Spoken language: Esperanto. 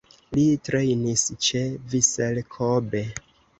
Li trejnis ĉe Vissel Kobe.